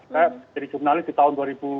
saya jadi jurnalis di tahun dua ribu dua